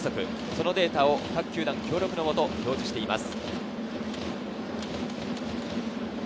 そのデータを各球団協力のもと表示しています。